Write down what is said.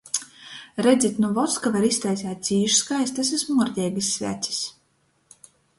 Redzit, nu voska var iztaiseit cīš skaistys i smuordeigys svecis.